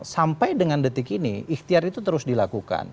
sampai dengan detik ini ikhtiar itu terus dilakukan